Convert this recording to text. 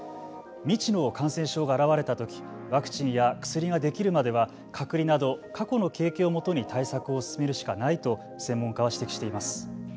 未知の感染症があらわれたときワクチンや薬ができるまでは隔離など、過去の経験を基に対策を進めるしかないと専門家は指摘しています。